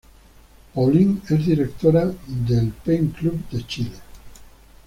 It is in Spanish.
Pauline es Directora de Pen Club de Chile.